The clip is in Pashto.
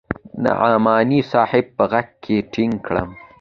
نعماني صاحب په غېږ کښې ټينګ کړم.